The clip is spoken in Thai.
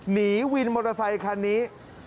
หนีวินมอเตอร์ไซคันนี้